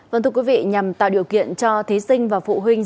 vâng thưa quý vị nhằm tạo điều kiện cho thí sinh và phụ huynh